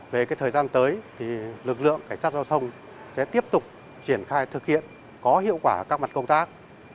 về thời gian tới thì lực lượng cảnh sát giao thông sẽ tiếp tục triển khai thực hiện có hiệu quả các mặt công tác